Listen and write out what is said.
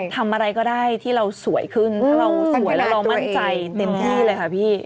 ทำอะไรก็ได้ที่เราสวยขึ้นถ้าเราสวยแล้วเรามั่นใจเต็มที่เลยค่ะพี่